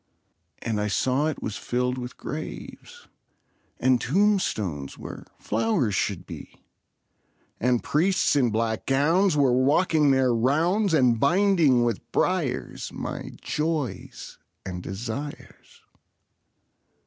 And I saw it was filled with graves, And tombstones where flowers should be; And priests in black gowns were walking their rounds, And binding with briars my joys and desires.